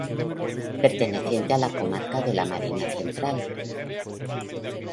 Perteneciente a la comarca de la Mariña Central.